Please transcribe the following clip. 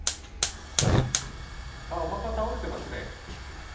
お墓、倒れていますね。